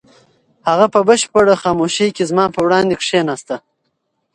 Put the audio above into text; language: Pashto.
هغه په بشپړه خاموشۍ کې زما په وړاندې کښېناسته.